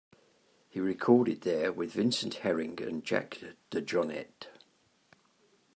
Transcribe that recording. He recorded there with Vincent Herring and Jack DeJohnette.